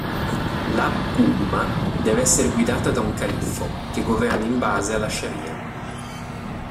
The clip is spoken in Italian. La "Umma" deve essere guidata da un Califfo, che governi in base alla Sharīʿa.